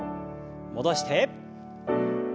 戻して。